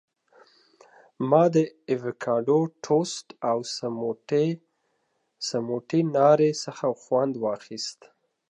ما د ایوکاډو ټوسټ او سموټي ناري څخه خوند واخیست.